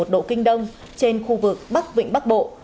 một trăm linh tám một độ kinh đông trên khu vực bắc vịnh bắc bộ